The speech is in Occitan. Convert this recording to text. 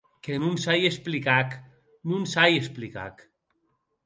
Que non sai explicà’c, non sai explicà’c.